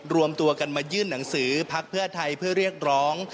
รวมตัวกันมายื่นหนังสือพักเพื่อไทยเพื่อเรียกร้อง